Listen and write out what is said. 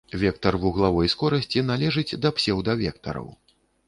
Вектар вуглавой скорасці належыць да псеўдавектараў.